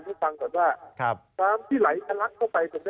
หรือที่ค้างก่อนว่าน้ำที่ไหลตรากเข้าไป